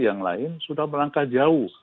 yang lain sudah melangkah jauh